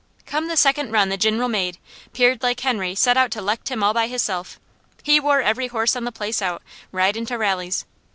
Come the second run the Gin'ral made, peered like Henry set out to 'lect him all by hisself. He wore every horse on the place out, ridin' to rallies.